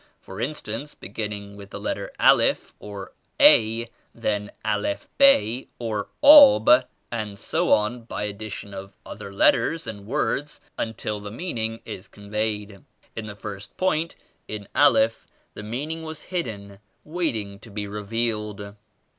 For instance, beginning with the letter ^Alif or *A'; then *Alif Bay' or *Ab' and so on by ad dition of other letters and words until the mean ing is conveyed. In the first point, in Alif , the meaning was hidden, waiting to be revealed.